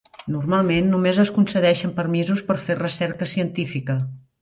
Normalment només es concedeixen permisos per fer recerca científica.